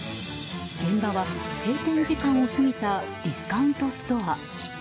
現場は閉店時間を過ぎたディスカウントストア。